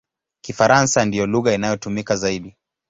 Kifaransa ndiyo lugha inayotumika zaidi.